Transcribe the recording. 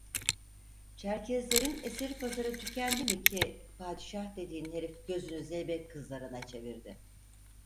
Çerkeslerin esir pazarı tükendi mi ki padişah dediğin herif gözünü zeybek kızlarına çevirdi?